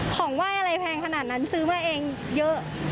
ของไหว้อะไรแพงขนาดนั้นซื้อมาเองเยอะ